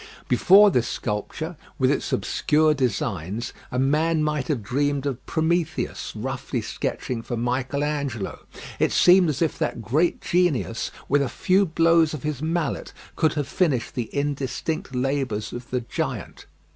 Before this sculpture, with its obscure designs, a man might have dreamed of Prometheus roughly sketching for Michael Angelo. It seemed as if that great genius with a few blows of his mallet could have finished the indistinct labours of the giant.